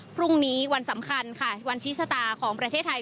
พรุ่งนี้วันสำคัญค่ะวันชี้ชะตาของประเทศไทย